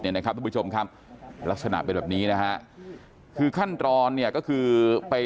นะครับทุกผู้ชมครับลักษณะเป็นแบบนี้นะฮะคือขั้นตอนเนี่ยก็คือไป